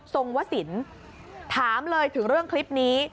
ทรงวศิลป์ถามเลยถึงเรื่องคลิปนี้